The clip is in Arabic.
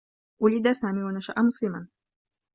وُلد سامي و نشأ مسلما.